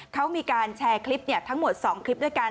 เขามีการแชร์คลิปทั้งหมด๒คลิปด้วยกัน